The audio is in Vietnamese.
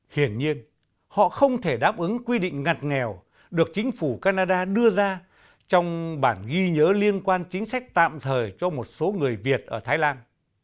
hiển nhiên họ không thể đáp ứng quy định ngặt nghèo được chính phủ canada đưa ra trong bản ghi nhớ liên quan chính sách tạm thời cho một số người việt ở thái lan